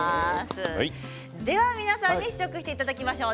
皆さんに試食していただきましょう。